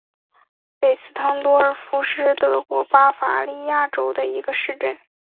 韦斯滕多尔夫是德国巴伐利亚州的一个市镇。